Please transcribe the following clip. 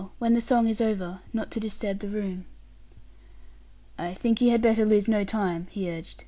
When the song is over not to disturb the room." "I think you had better lose no time," he urged.